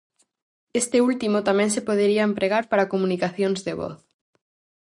Este último tamén se podería empregar para comunicacións de voz.